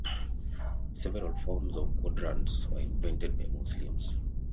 Several forms of quadrants were invented by Muslims.